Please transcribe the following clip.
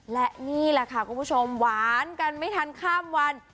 และนี่แหละค่ะคุณผู้ชมหวานกันไม่ทันข้ามวัน